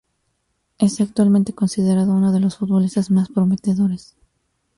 Es actualmente considerado uno de los futbolistas más prometedores.